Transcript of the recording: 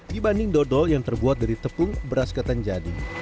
dibanding dodol yang terbuat dari tepung beras ketan jadi